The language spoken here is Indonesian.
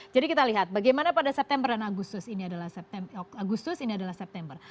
jadi kita lihat bagaimana pada september dan agustus ini adalah september